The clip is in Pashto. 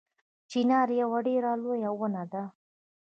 چنار یوه ډیره لویه ونه ده